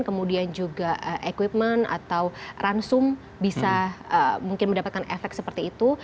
kemudian juga equipment atau ransum bisa mungkin mendapatkan efek seperti itu